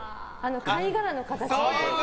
貝殻の形の。